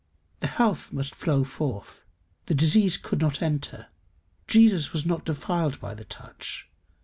The health must flow forth; the disease could not enter: Jesus was not defiled by the touch.